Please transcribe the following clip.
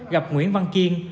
gặp nguyễn văn kiên